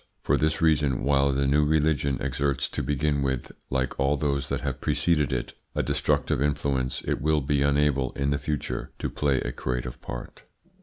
For this reason, while the new religion exerts to begin with, like all those that have preceded it, a destructive influence, it will be unable, in the future, to play a creative part.